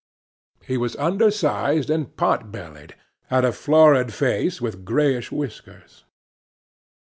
He was undersized and potbellied, had a florid face with grayish whiskers.